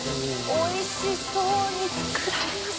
おいしそうに作られます。